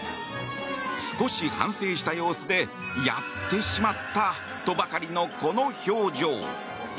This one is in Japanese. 少し反省した様子でやってしまったとばかりのこの表情。